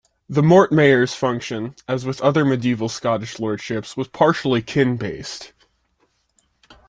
The Mormaer's function, as with other medieval Scottish lordships, was partly kin-based.